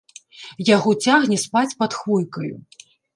Яго цягне спаць пад хвойкаю.